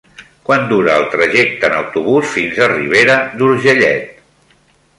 Quant dura el trajecte en autobús fins a Ribera d'Urgellet?